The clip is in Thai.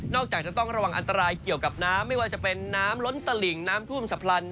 จากจะต้องระวังอันตรายเกี่ยวกับน้ำไม่ว่าจะเป็นน้ำล้นตลิ่งน้ำท่วมฉับพลัน